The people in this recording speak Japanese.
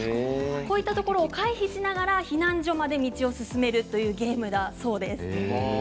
こういったところを回避しながら避難所まで道を進めるというゲームだそうです。